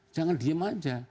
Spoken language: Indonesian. jangan diem aja